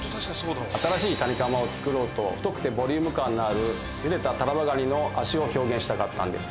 新しいカニカマを作ろうと太くてボリューム感のあるゆでたタラバガニの脚を表現したかったんです。